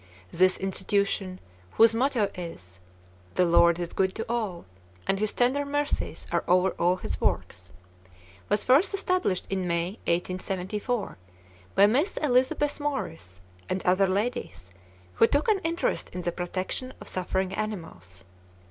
This institution, whose motto is "The Lord is good to all: and his tender mercies are over all his works," was first established in May, 1874, by Miss Elizabeth Morris and other ladies who took an interest in the protection of suffering animals.